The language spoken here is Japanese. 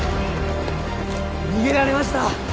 逃げられました！